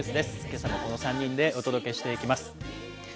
けさもこの３人でお届けしていきます。